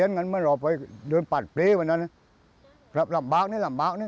แล้วพื้นลำบากนี้